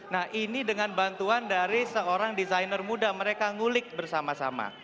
nah ini dengan bantuan dari seorang desainer muda mereka ngulik bersama sama